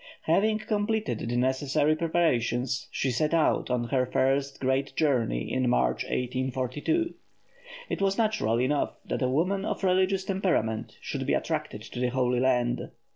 Having completed the necessary preparations, she set out on her first great journey in March, 1842. It was natural enough that a woman of religious temperament should be attracted to the Holy Land.